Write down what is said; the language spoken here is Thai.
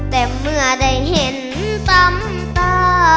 แต่เมื่อได้เห็นซ้ำตา